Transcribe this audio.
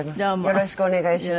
よろしくお願いします。